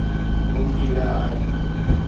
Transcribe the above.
گم ٿي ويا آهن